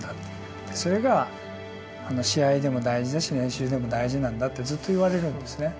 それが試合でも大事だし練習でも大事なんだ」ってずっと言われるんですね。